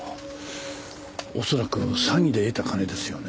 恐らく詐欺で得た金ですよね？